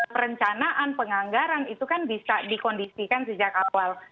perencanaan penganggaran itu kan bisa dikondisikan sejak awal